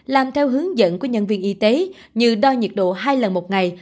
làm theo hướng dẫn của nhân viên y tế như đo nhiệt độ hai lần một ngày